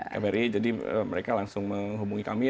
kbri jadi mereka langsung menghubungi kami